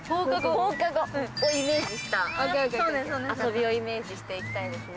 放課後をイメージした遊びをイメージして行きたいですね。